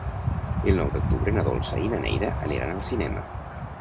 El nou d'octubre na Dolça i na Neida aniran al cinema.